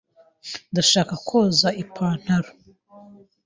Ndashaka koza ipantaro.